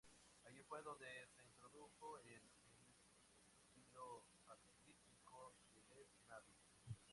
Allí fue donde se introdujo en el estilo artístico de Les Nabis.